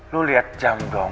lo liat jam dong